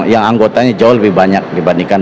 yang anggotanya jauh lebih banyak dibandingkan